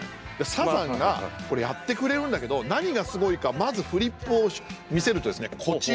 サザンがこれやってくれるんだけど何がすごいかまずフリップを見せるとですねこちら。